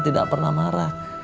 tidak pernah marah